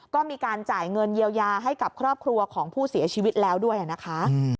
ก็มีการจ่ายเงินเยียวยาให้กับครอบครัวของผู้เสียชีวิตแล้วด้วยนะคะ